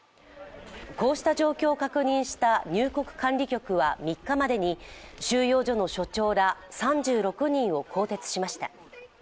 こうした状況を確認した入国管理局は３日までに収容所の所長ら３６人を更迭しました。